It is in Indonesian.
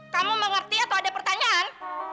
kamu mengerti atau ada pertanyaan